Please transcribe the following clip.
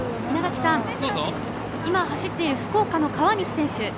今、走っている福岡の川西選手。